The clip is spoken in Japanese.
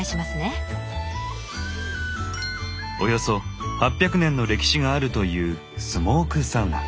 およそ８００年の歴史があるというスモークサウナ。